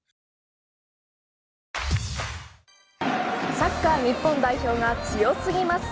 サッカー日本代表が強すぎます。